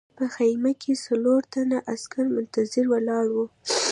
په خیمه کې څلور تنه عسکر منتظر ولاړ وو